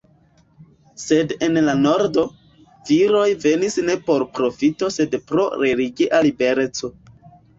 Sed en la nordo, viroj venis ne por profito sed pro religia libereco.